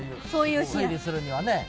推理するにはね。